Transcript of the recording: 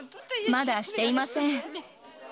まだしていません。